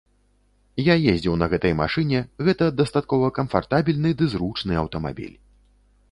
Я ездзіў на гэтай машыне, гэта дастаткова камфартабельны ды зручны аўтамабіль.